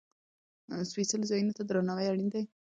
سپېڅلو ځایونو ته درناوی اړین دی.